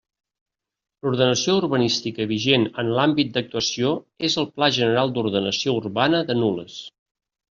L'ordenació urbanística vigent en l'àmbit d'actuació és el Pla General d'Ordenació Urbana de Nules.